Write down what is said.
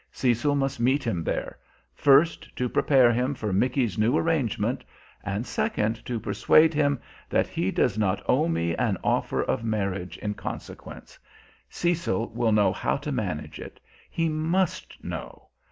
Cecil must meet him there; first, to prepare him for Micky's new arrangement, and second, to persuade him that he does not owe me an offer of marriage in consequence. Cecil will know how to manage it; he must know!